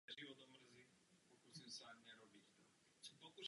Tím dojde k propojení obou částí silnice do souvislého celku.